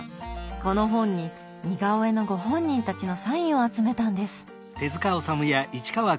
この本に似顔絵のご本人たちのサインを集めたんです。